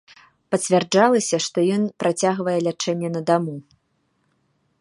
Пацвярджалася, што ён працягвае лячэнне на даму.